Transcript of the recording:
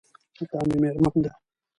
دا مې میرمن ده